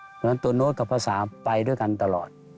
เพราะฉะนั้นตัวโน้ตกับภาษาไปด้วยกันตลอด